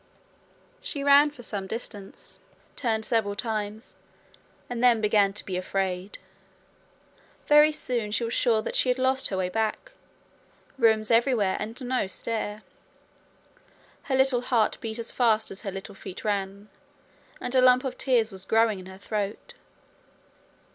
She ran for some distance, turned several times, and then began to be afraid. Very soon she was sure that she had lost the way back. Rooms everywhere, and no stair! Her little heart beat as fast as her little feet ran, and a lump of tears was growing in her throat.